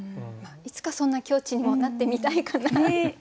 いつかそんな境地にもなってみたいかな。